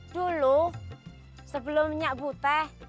dulu sebelum nyiak buta